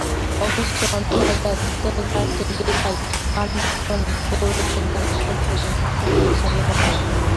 অবশেষে অন্ধ রাজা ধৃতরাষ্ট্রের কৃপায় পাণ্ডবগণ কৌরবদের দাসত্ব হইতে মুক্ত হইয়া স্বাধীনতা লাভ করিলেন।